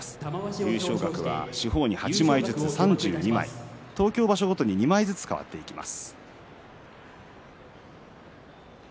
優勝額は四方に８枚ずつ３２枚、東京場所ごとに２枚ずつ変わっていきます。